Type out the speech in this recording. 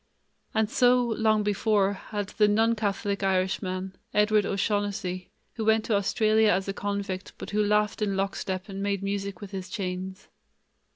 And so, long before, had the non Catholic Irishman, Edward O'Shaughnessy, who went to Australia as a convict, but who laughed in lockstep and made music with his chains.